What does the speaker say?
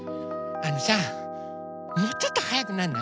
あのさもうちょっとはやくなんない？